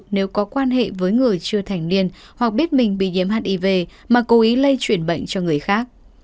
nếu có quan hệ với người chưa thành niên hoặc biết mình bị nhiễm hiv mà cố ý lây chuyển bệnh cho người khác